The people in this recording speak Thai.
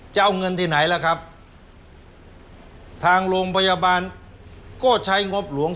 จะเอาเงินที่ไหนล่ะครับทางโรงพยาบาลก็ใช้งบหลวง